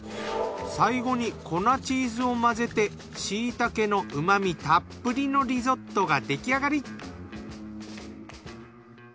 最後に粉チーズを混ぜて椎茸のうまみたっぷりのリゾットが出来上がり。